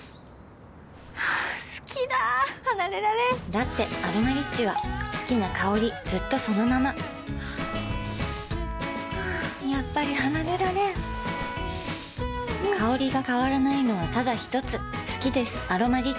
好きだ離れられんだって「アロマリッチ」は好きな香りずっとそのままやっぱり離れられん香りが変わらないのはただひとつ好きです「アロマリッチ」